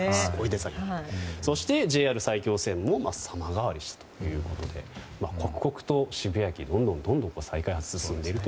そして、ＪＲ埼京線も様変わりしたということで刻々と、渋谷駅どんどん再開発が進んでいると。